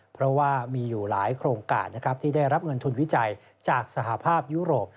เพราะว่ามีอยู่หลายโครงการนะครับที่ได้รับเงินทุนวิจัยจากสหภาพยุโรป